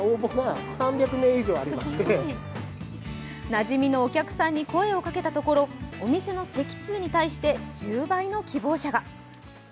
なじみのお客さんに声をかけたところお店の席数に対して１０倍の希望者が。